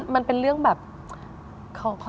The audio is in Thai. มันเป็นเรื่องแบบ